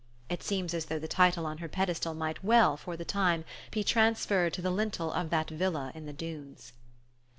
It seems as though the title on her pedestal might well, for the time, be transferred to the lintel of that villa in the dunes.